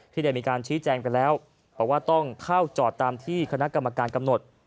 ได้มีการชี้แจงไปแล้วบอกว่าต้องเข้าจอดตามที่คณะกรรมการกำหนด